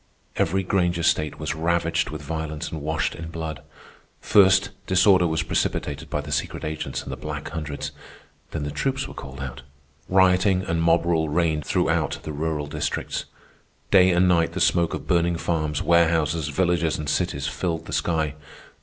Every Granger state was ravaged with violence and washed in blood. First, disorder was precipitated by the secret agents and the Black Hundreds, then the troops were called out. Rioting and mob rule reigned throughout the rural districts. Day and night the smoke of burning farms, warehouses, villages, and cities filled the sky.